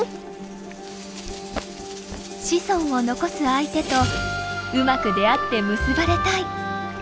子孫を残す相手とうまく出会って結ばれたい！